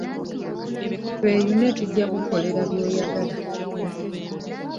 Tweyune tujja kukukolera by'oyagala.